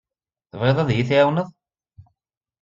Tebɣiḍ ad iyi-tɛiwneḍ?